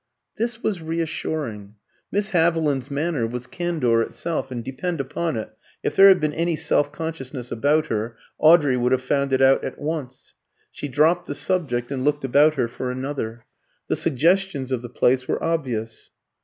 This was reassuring. Miss Haviland's manner was candour itself; and depend upon it, if there had been any self consciousness about her, Audrey would have found it out at once. She dropped the subject, and looked about her for another. The suggestions of the place were obvious.